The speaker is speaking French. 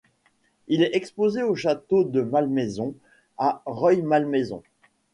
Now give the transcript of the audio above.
Il est exposé au Château de Malmaison à Rueil-Malmaison.